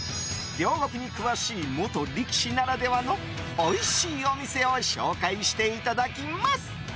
両国に詳しい元力士ならではのおいしいお店を紹介していただきます。